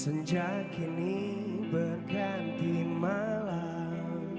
senja kini berganti malam